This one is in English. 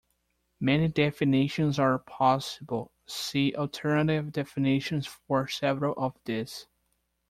Many definitions are possible; see Alternative definitions for several of these.